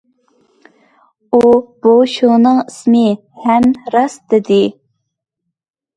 ئۇ بۇ شۇنىڭ ئىسمى ھەم راست دېدى.